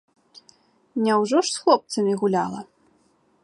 Няўжо ж з хлопцамі гуляла!